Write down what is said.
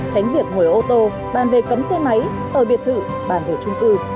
tránh việc ngồi ô tô bàn về cấm xe máy ở biệt thự bàn về trung cư